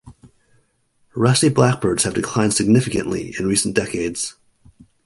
Rusty blackbirds have declined significantly in recent decades.